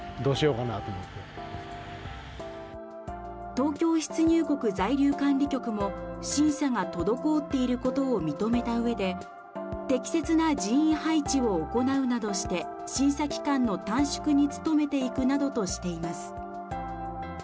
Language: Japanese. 東京出入国在留管理局も、審査が滞っていることを認めたうえで適切な人員配置を行うなどして審査期間の短縮に努めていくなどとしています。